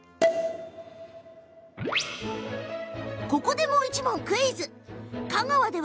ここでもう１問クイズいきます。